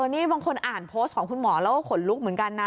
นี่บางคนอ่านโพสต์ของคุณหมอแล้วก็ขนลุกเหมือนกันนะ